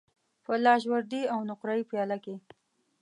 په لاجوردی او نقره یې پیاله کې